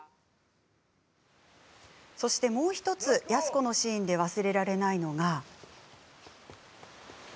そしてもう１つ、安子のシーンで忘れられないのが。